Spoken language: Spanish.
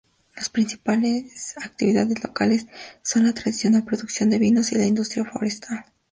Las principales actividades locales son la tradicional producción de vinos y la industria forestal.